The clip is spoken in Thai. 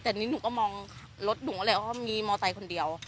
แต่หนูก็มองรถหนูเอาไว้เขามีมอไตคนนเดียว